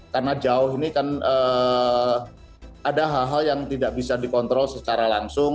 karena jauh ini kan ada hal hal yang tidak bisa dikontrol secara langsung